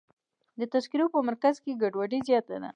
د تذکرو مرکز کې ګډوډي زیاته ده.